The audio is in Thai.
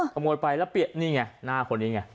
ขโมยไปแล้วเปลี่ยนนี่ไงหน้าคนนี้ไง